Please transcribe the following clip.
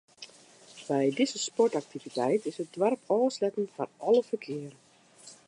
By dizze sportaktiviteit is it doarp ôfsletten foar alle ferkear.